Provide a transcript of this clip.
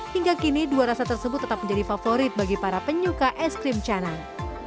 hingga kini dua rasa tersebut tetap menjadi favorit bagi para penyuka es krim canang